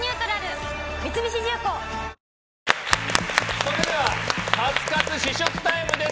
それではカツカツ試食タイムです。